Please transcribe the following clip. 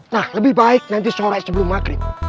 nah lebih baik nanti sore sebelum maghrib